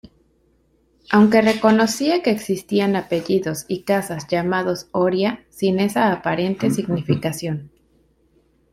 Aunque reconocía que existían apellidos y casas llamados Oria sin esa aparente significación.